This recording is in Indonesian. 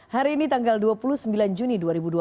hari ini tanggal dua puluh sembilan juni dua ribu dua puluh